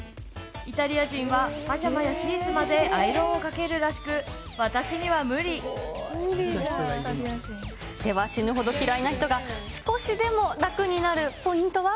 イタリア人はパジャマやシーツまでアイロンをかけるらしく、では、死ぬほど嫌いな人が少しでも楽になるポイントは。